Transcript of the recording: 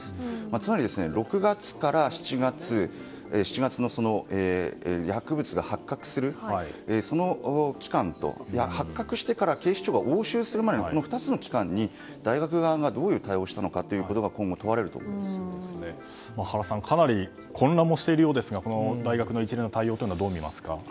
つまり６月から７月の薬物が発覚するその期間と、発覚してから警視庁が押収するまでこの２つの期間に大学側がどういう対応をしたのか原さんかなり混乱しているようですが大学の一連の対応、どう見ますか。